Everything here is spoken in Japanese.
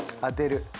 当てる。